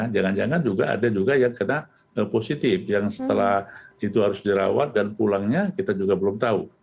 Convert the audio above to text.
jangan jangan juga ada juga yang kena positif yang setelah itu harus dirawat dan pulangnya kita juga belum tahu